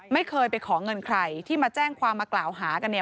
ไม่เคยไปขอเงินใครที่มาแจ้งความมากล่าวหากันเนี่ย